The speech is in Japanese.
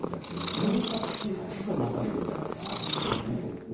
こういった技術こそ待たれるんじゃないかなと思いますね。